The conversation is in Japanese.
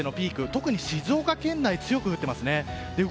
特に静岡県内は強く降っています。